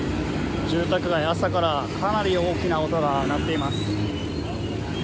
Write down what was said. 住宅街、朝からかなり大きな音が鳴っています。